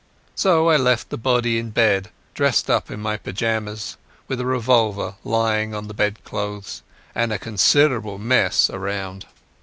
So I left the body in bed dressed up in my pyjamas, with a revolver lying on the bed clothes and a considerable mess around.